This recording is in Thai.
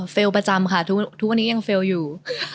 อ้อเฟลประจำค่ะทุกวันนี้ยังเฟลอยู่